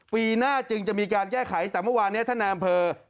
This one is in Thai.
ปีหน้าจึงจะมีการแก้ไขแต่เมื่อวานเนี้ยถ้านามเภมาห์